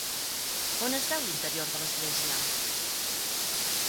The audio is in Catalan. On es veu l'interior de l'església?